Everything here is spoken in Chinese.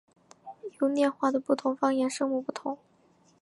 优念话的不同方言声母不同。